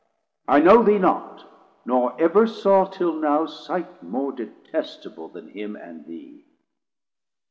I know thee not, nor ever saw till now Sight more detestable then him and thee.